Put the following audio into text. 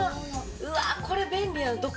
うわっ、これ便利やん。